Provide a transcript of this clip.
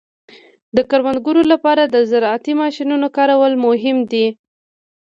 د کروندګرو لپاره د زراعتي ماشینونو کارول مهم دي.